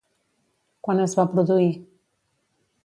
Quan es va produir?